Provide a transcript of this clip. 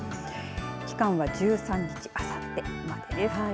期間は１３日あさってまでです。